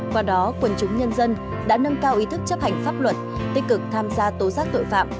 qua đó quần chúng nhân dân đã nâng cao ý thức chấp hành pháp luật tích cực tham gia tố giác tội phạm